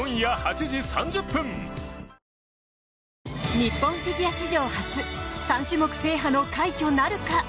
日本フィギュア史上初３種目制覇の快挙なるか！